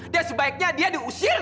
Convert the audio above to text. dan sebaiknya dia diusir